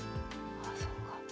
あそうか。